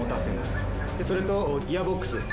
それとギアボックス。